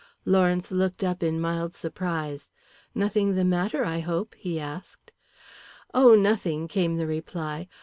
Lawrence looked up in mild surprise. "Nothing the matter, I hope?" he asked. "Oh, nothing," came the reply.